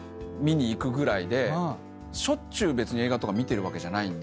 しょっちゅう別に映画とか見てるわけじゃないんで。